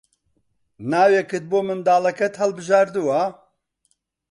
ناوێکت بۆ منداڵەکەت هەڵبژاردووە؟